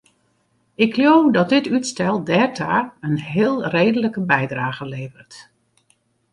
Ik leau dat dit útstel dêrta in heel reedlike bydrage leveret.